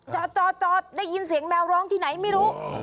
จอดได้ยินเสียงแมวร้องที่ไหนไม่รู้